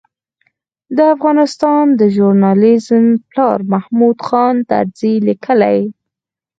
د افغانستان د ژورنالېزم پلار محمود خان طرزي لیکي.